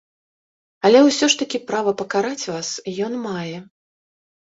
Але ўсё ж такі права пакараць вас ён мае.